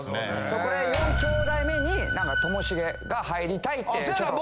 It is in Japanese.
そこで四兄弟目に何かともしげが入りたいってちょっと。